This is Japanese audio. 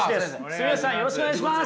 住吉さんよろしくお願いします。